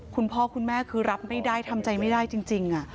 คุณพ่อคุณแม่คือรับไม่ได้ทำใจไม่ได้จริง